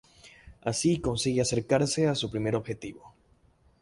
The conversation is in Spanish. Así consigue acercarse a su primer objetivo.